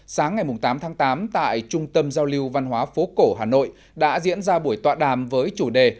sáng ngày tám tháng tám tại trung tâm giao lưu văn hóa phố cổ hà nội đã diễn ra buổi tọa đàm với chủ đề